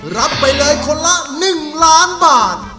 รับไปเลยคนละ๑ล้านบาท